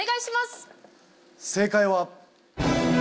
正解は。